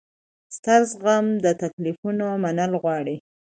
ستر زغم او د تکلیفونو منل غواړي.